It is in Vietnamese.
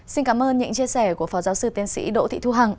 xin cảm ơn những chia sẻ của phó giáo sư tiến sĩ đỗ thị thu hằng